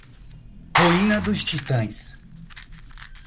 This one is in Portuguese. Ruína dos titãs